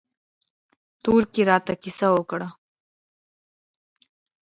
تورکي راته کيسه وکړه.